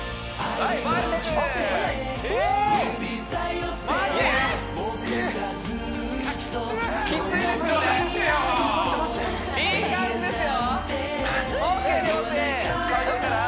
速いいい感じですよ